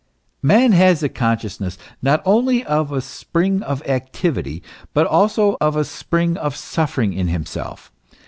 Man has the consciousness not only of a spring of activity, but also of a spring of suffering in himself.